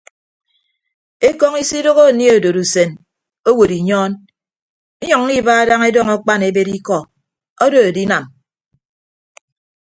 Ekọñ isidooho anie odod usen owod inyọọn inyʌññọ iba daña edọñ akpan ebed ikọ odo edinam.